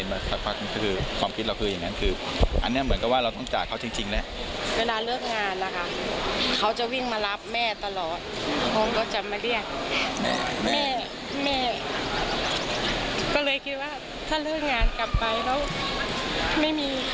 จะจับได้หรือไม่ได้สำหรับผมตอนนี้มันไม่สำคัญแล้วอ่ะ